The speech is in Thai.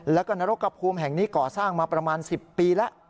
แล้วก็นรกกระภูมิแห่งนี้ก่อสร้างมาประมาณ๑๐ปีแล้ว